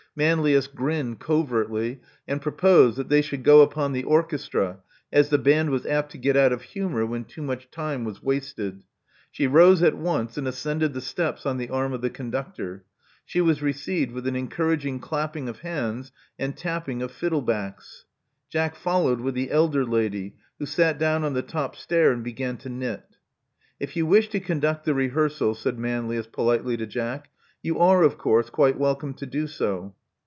Manlius grinned covertly, and proposed that they should go upon the orchestra, as the band was apt to get out of humor when too much time was wasted. She rose at once, and ascended the steps on the arm of the con ductor. She was received with an encouraging clap ping of hands and tapping of fiddle backs. Jack followed with the elder lady, who sat down on the top stair, and began to knit. If you wish to conduct the rehearsal,*' said Manlius politely to Jack, you are, of course, quite welcome to do so."